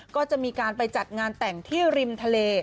ก็จะมีการไปจัดงานแต่งที่ริมทะเล